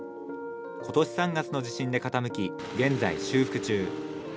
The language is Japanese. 今年３月の地震で傾き現在、修復中。